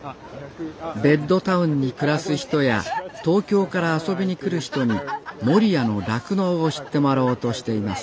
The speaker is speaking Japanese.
ベッドタウンに暮らす人や東京から遊びに来る人に守谷の酪農を知ってもらおうとしています